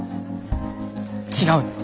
違うって。